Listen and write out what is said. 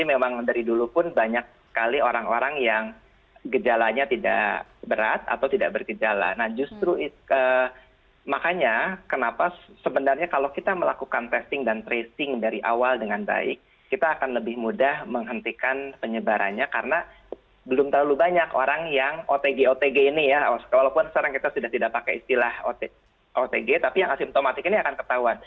otg ini ya walaupun sekarang kita sudah tidak pakai istilah otg tapi yang asimptomatik ini akan ketahuan